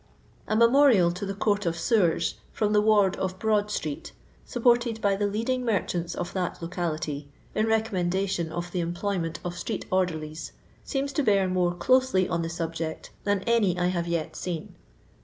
A memorial to the Court of Sewers, from the ward of Broad street, supported by the leading merchants of that locality, in recommendation of the employment of street orderlies, seems to bear more closely on the subject than any I have yet seen.